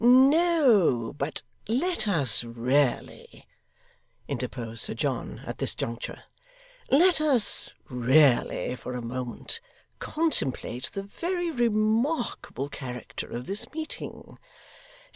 'No, but let us really,' interposed Sir John at this juncture, 'let us really, for a moment, contemplate the very remarkable character of this meeting.